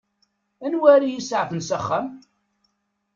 Anwa ara iyi-isaɛfen s axxam?